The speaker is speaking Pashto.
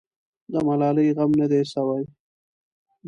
د ملالۍ غم نه دی سوی.